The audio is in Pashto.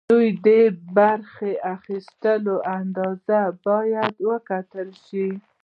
دوی د برخې اخیستلو اندازه باید وکتل شي.